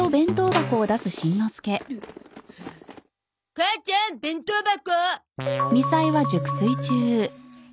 母ちゃん弁当箱。